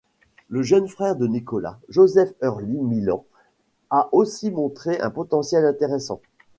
Le jeune frère de Nicolás, Joseph Early Millan, a aussi montré un potentiel intéressant.